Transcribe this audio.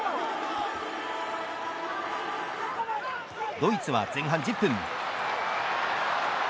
ドイツは前半１０分。